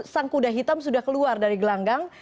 sang kuda hitam sudah keluar dari gelanggang